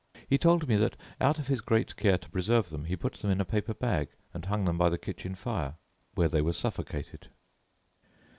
He told me that, out of his great care to preserve them, he put them in a paper bag, and hung them by the kitchen fire, where they were suffocated.